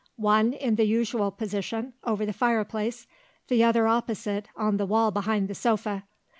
One, in the usual position, over the fireplace; the other opposite, on the wall behind the sofa.